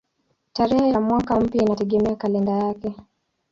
Tarehe ya mwaka mpya inategemea kalenda yake.